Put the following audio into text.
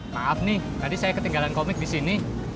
maaf nih tadi saya ketinggalan komik di sini